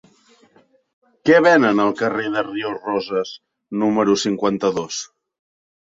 Què venen al carrer de Ríos Rosas número cinquanta-dos?